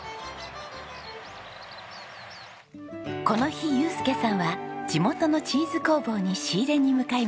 この日祐介さんは地元のチーズ工房に仕入れに向かいました。